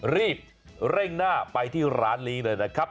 รีบเร่งหน้าไปที่ร้านนี้เลยนะครับ